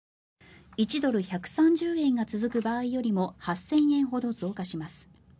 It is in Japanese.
１ドル＝１３０円が続く場合よりも８０００円ほど増加します。